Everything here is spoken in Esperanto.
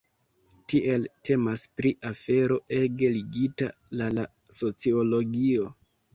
Tiele temas pri afero ege ligita la la sociologio.